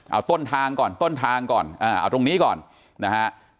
เอาต้นทางก่อนต้นทางก่อนเอาตรงนี้ก่อนนะฮะ